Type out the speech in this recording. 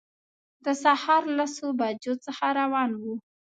د سهار لسو بجو څخه روان وو.